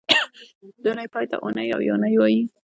د اونۍ پای ته اونۍ او یونۍ وایي